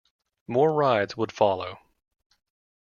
More rides would follow.